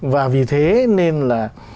và vì thế nên là